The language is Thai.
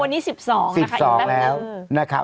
อ๋อวันนี้๑๒นะคะอีกแปปนึง